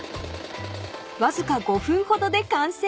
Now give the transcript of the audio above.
［わずか５分ほどで完成］